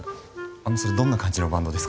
あのそれどんな感じのバンドですか？